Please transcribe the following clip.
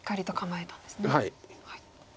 はい。